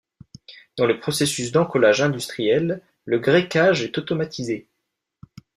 Dans le processus d’encollage industriel, le grecquage est automatisé.